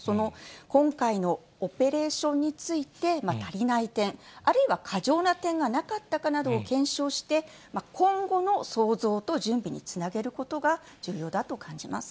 今回のオペレーションについて、足りない点、あるいは過剰な点がなかったかなどを検証して、今後の想像と準備につなげることが重要だと感じます。